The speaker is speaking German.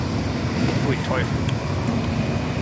Pfui, Teufel!